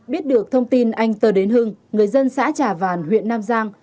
biết được thông tin anh tờ đến hưng người dân xã trà vàn huyện nam giang